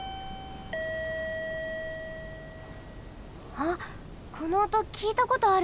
あっこのおときいたことある。